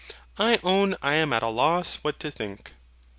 I own I am at a loss what to think.